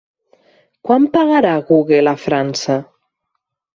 Quant pagarà Google a França?